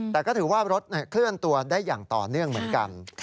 แต่ก็ถือว่ารถเคลื่อนตัวได้อย่างต่อเนื่องเหมือนกัน